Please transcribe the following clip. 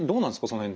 その辺。